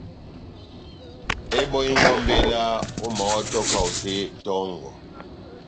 Ebɔhingé ó mbéla ómahɔ́to kahote tɔ́ngɔ